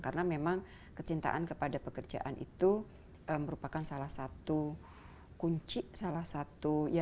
karena memang kecintaan kepada pekerjaan itu merupakan salah satu kunci